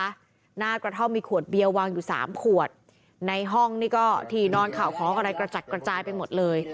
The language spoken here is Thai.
หน้ากระท่อมมีขวดเบียร์วางอยู่สามขวดในห้องนี่ก็ที่นอนข่าวของอะไรกระจัดกระจายไปหมดเลย